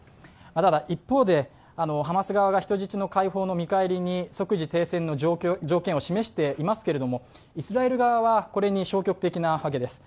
ただ一方で、ハマス側が人質の解放の見返りに即時停戦の条件を示していますけど、イスラエル側はこれに消極的なわけです。